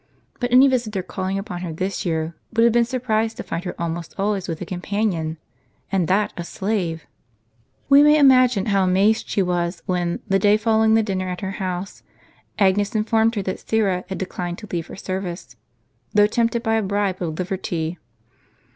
But any visitor calling upon her this year, would have been surprised to find her almost always with a companion — and that a slave ! We may imagine how amazed she was when, the day fol lowing the dinner at her house, Agnes informed her that Syra had declined leaving her service, though tempted by a bribe of liberty.